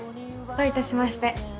どういたしまして。